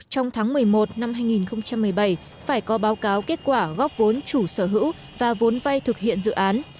trong tháng một mươi một năm hai nghìn một mươi bảy phải có báo cáo kết quả góp vốn chủ sở hữu và vốn vay thực hiện dự án